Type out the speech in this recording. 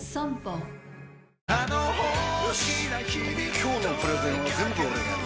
今日のプレゼンは全部俺がやる！